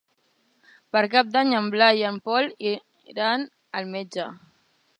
Per Cap d'Any en Blai i en Pol iran al metge.